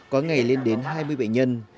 có ngày lên đến hai mươi bệnh nhân